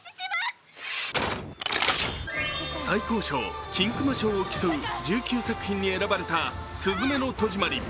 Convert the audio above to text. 最高賞・金熊賞を競う１９作品に選ばれた「すずめの戸締まり」